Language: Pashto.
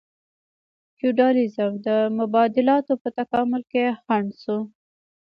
فیوډالیزم د مبادلاتو په تکامل کې خنډ شو.